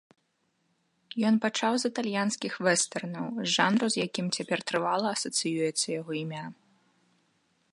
Ён пачаў з італьянскіх вестэрнаў, з жанру, з якім цяпер трывала асацыюецца яго імя.